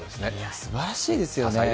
すばらしいですよね。